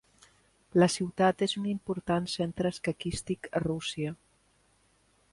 La ciutat és un important centre escaquístic a Rússia.